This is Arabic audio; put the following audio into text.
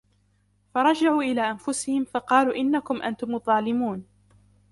فرجعوا إلى أنفسهم فقالوا إنكم أنتم الظالمون